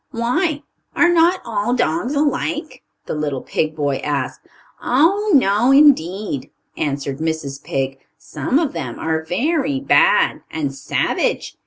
"Why, are not all dogs alike?" the little pig boy asked. "Oh, no, indeed!" answered Mrs. Pig. "Some of them are very bad and savage.